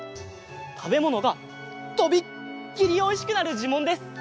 たべものがとびっきりおいしくなるじゅもんです。